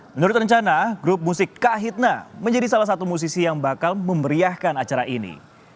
menurut rencana grup musik kahitna menjadi salah satu musisi yang bakal memeriahkan acara ini